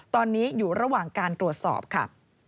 ตอนนี้อยู่ระหว่างการตรวจสอบค่ะ